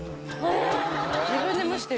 自分で蒸してる。